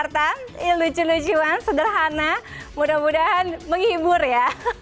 ini lucu lucuan sederhana mudah mudahan menghibur ya